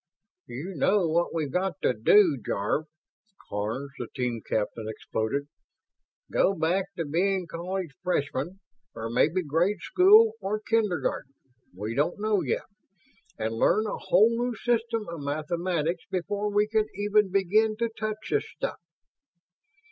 "You know what we've got to do Jarve?" Karns, the team captain, exploded. "Go back to being college freshmen or maybe grade school or kindergarten, we don't know yet and learn a whole new system of mathematics before we can even begin to touch this stuff!"